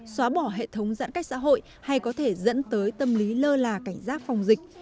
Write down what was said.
xóa bỏ hệ thống giãn cách xã hội hay có thể dẫn tới tâm lý lơ là cảnh giác phòng dịch